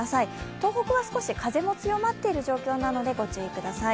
東北は少し風も強まってる状況なのでご注意ください。